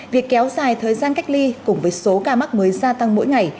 việc kéo dài thời gian cách ly cùng với số ca mắc mới gia tăng mỗi ngày